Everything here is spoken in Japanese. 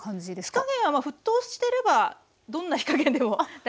火加減は沸騰してればどんな火加減でも大丈夫です。